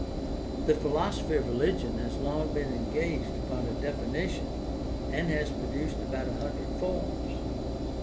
The philosophy of religion has long been engaged upon a definition and has produced about a hundred forms.